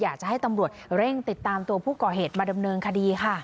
อยากจะให้ตำรวจเร่งติดตามตัวผู้ก่อเหตุมาดำเนินคดีค่ะ